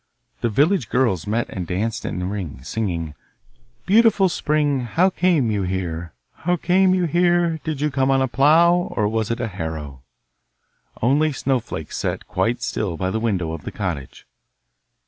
The village girls met and danced in a ring, singing, 'Beautiful spring, how came you here? How came you here? Did you come on a plough, or was it a harrow?' Only Snowflake sat quite still by the window of the cottage.